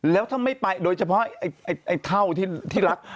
แล้วถ้าไม่ไปโดยเฉพาะไอ้เท่าที่รัก